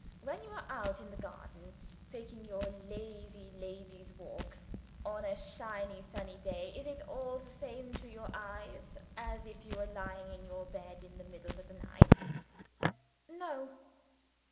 When you are out in the garden, taking your little lazy lady's walks on a shiny sunny day, is it all the same to your eyes as if you were lying in your bed in the middles of the night?" "No."